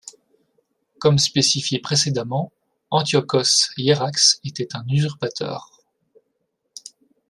Comme spécifié précédemment, Antiochos Hiérax était un usurpateur.